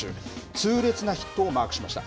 痛烈なヒットをマークしました。